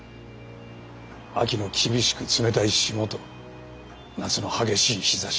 秋の厳しく冷たい霜と夏の激しい日ざし。